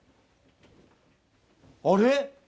あれ？